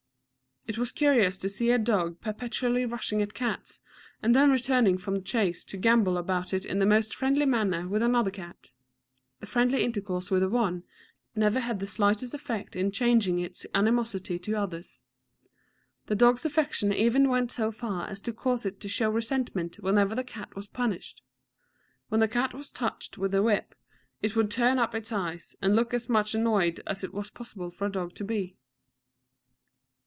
It was curious to see a dog perpetually rushing at cats, and then returning from the chase to gambol about in the most friendly manner with another cat. The friendly intercourse with the one never had the slightest effect in changing its animosity to others. The dog's affection even went so far as to cause it to show resentment whenever the cat was punished. When the cat was touched with the whip, it would turn up its eyes, and look as much annoyed as it was possible for a dog to be.